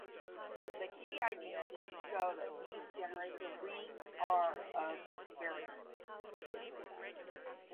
The key idea is to show that these generate the ring "R" of invariants.